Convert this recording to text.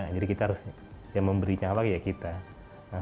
jadi kita harus yang memberi nyawa ya kita